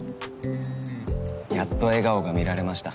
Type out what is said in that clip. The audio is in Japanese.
やっと笑顔が見られました。